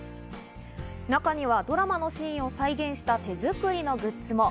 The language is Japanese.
中にはドラマのシーンを再現した手作りのグッズも。